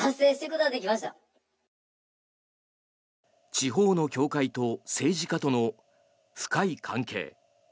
地方の教会と政治家との深い関係。